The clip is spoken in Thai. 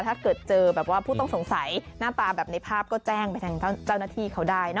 ถ้าเกิดเจอแบบว่าผู้ต้องสงสัยหน้าตาแบบในภาพก็แจ้งไปทางเจ้าหน้าที่เขาได้นะ